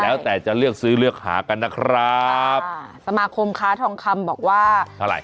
แล้วแต่จะเลือกซื้อเลือกหากันนะครับค่ะสมาคมค้าทองคำบอกว่าเท่าไหร